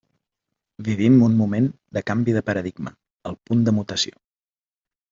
Vivim un moment de canvi de paradigma, el punt de mutació.